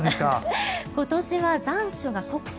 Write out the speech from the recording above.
今年は残暑が酷暑。